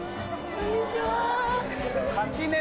こんにちは。